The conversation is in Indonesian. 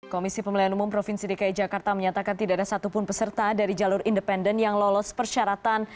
komisi pemilihan umum provinsi dki jakarta menyatakan tidak ada satupun peserta dari jalur independen yang lolos persyaratan